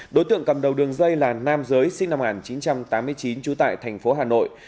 đối tượng cầm đầu đường dây là nam giới sinh năm một nghìn chín trăm tám mươi chín trú tại thành phố hà nội